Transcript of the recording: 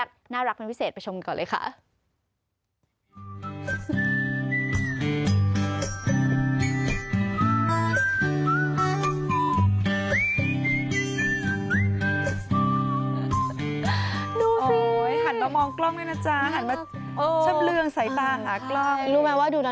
ชอบเรื่องใส่ตาหากล้อง